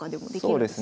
そうですね。